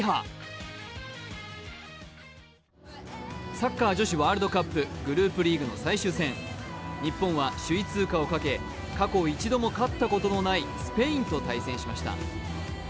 サッカー女子ワールドカップ、グループリーグ最終戦、日本は首位通過をかけ、過去一度も勝ったことのないスペインと対戦しました。